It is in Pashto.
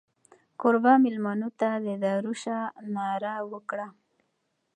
کوربه مېلمنو ته د دارو شه ناره وکړه.